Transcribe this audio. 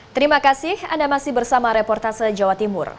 terima kasih anda masih bersama reportase jawa timur